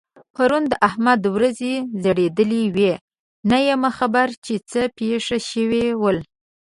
پرون د احمد وريځې ځړېدلې وې؛ نه یم خبر چې څه پېښ شوي ول؟